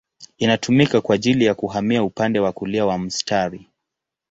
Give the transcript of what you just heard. Inatumika kwa ajili ya kuhamia upande wa kulia mwa mstari.